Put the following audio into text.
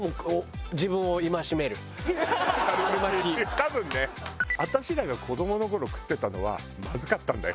多分ね私らが子どもの頃食ってたのはまずかったんだよ。